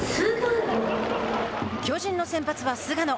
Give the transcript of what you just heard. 巨人の先発は菅野。